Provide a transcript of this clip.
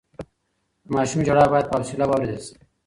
د ماشوم ژړا بايد په حوصله واورېدل شي.